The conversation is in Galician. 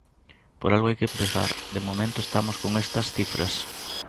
Por algo hai que empezar, de momento estamos con estas cifras.